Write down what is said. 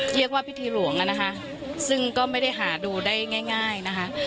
เรียกว่าพิธีหลวงนะคะซึ่งก็ไม่ได้หาดูได้ง่ายนะคะ